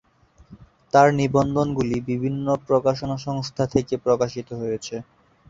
তার নিবন্ধগুলি বিভিন্ন প্রকাশনা সংস্থা থেকে প্রকাশিত হয়েছে।